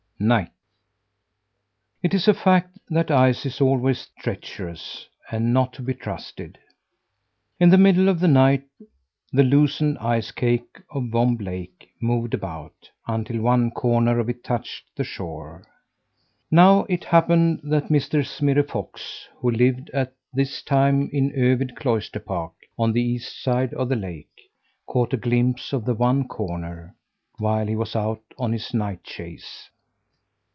NIGHT It is a fact that ice is always treacherous and not to be trusted. In the middle of the night the loosened ice cake on Vomb Lake moved about, until one corner of it touched the shore. Now it happened that Mr. Smirre Fox, who lived at this time in Övid Cloister Park on the east side of the lake caught a glimpse of that one corner, while he was out on his night chase.